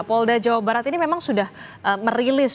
polda jawa barat ini memang sudah merilis